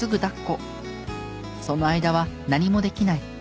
その間は何もできない。